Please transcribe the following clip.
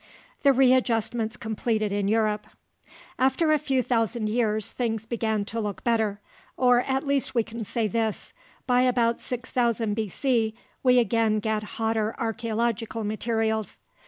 THE READJUSTMENTS COMPLETED IN EUROPE After a few thousand years, things began to look better. Or at least we can say this: By about 6000 B.C. we again get hotter archeological materials.